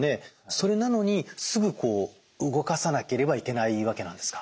それなのにすぐ動かさなければいけないわけなんですか？